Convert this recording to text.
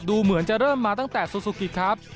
ดูเหมือนจะเริ่มมาตั้งแต่ซูซูกิครับ